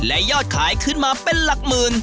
และยอดขายขึ้นมาเป็นกว่าละกมืน